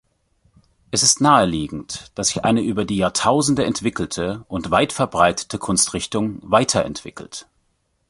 Es ist naheliegend, dass sich eine über die Jahrtausende entwickelte und weitverbreitete Kunstrichtung weiterentwickelt.